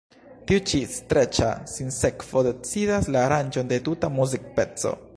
Tiu ĉi streĉa sinsekvo decidas la aranĝon de tuta muzikpeco.